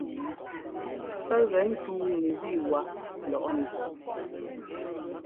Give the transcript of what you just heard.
Pɛ́ gɛ ńtʉ́u ŋu ẅiwá lɔʼnɛ.